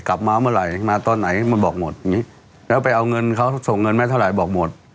กลับมาเมื่อไหร่มาตอนไหนมันบอกหมดอย่างนี้แล้วไปเอาเงินเขาส่งเงินมาเท่าไหร่บอกหมด